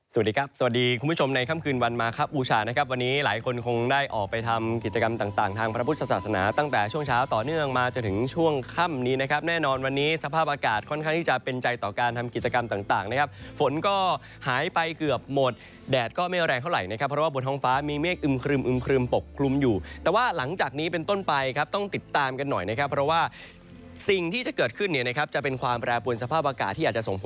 สวัสดีครับสวัสดีคุณผู้ชมในค่ำคืนวันมาครับอูชานะครับวันนี้หลายคนคงได้ออกไปทำกิจกรรมต่างทางพระพุทธศาสนาตั้งแต่ช่วงเช้าต่อเนื่องมาจะถึงช่วงค่ำนี้นะครับแน่นอนวันนี้สภาพอากาศค่อนข้างที่จะเป็นใจต่อการทำกิจกรรมต่างนะครับฝนก็หายไปเกือบหมดแดดก็ไม่แรงเท่าไหร่นะครับเพราะว่าบ